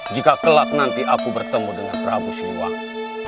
jika kelak nanti aku bertemu dengan prabu siwan